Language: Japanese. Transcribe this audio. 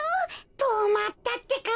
とまったってか。